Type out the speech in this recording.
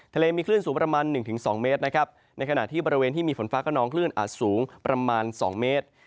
ทะเลมีคลื่นสูงประมาณ๑๒เมตรนะครับในขณะที่บริเวณที่มีฝนฟ้ากระนองคลื่นอาจสูงประมาณ๒เมตร